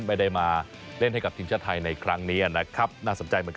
ไม่ได้มาเล่นให้กับทีมชะไทยในครั้งหน้าสมใจเหมือนกัน